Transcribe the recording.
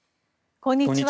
こんにちは。